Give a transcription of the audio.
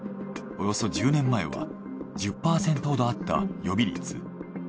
およそ１０年前は１０％ほどあった予備率。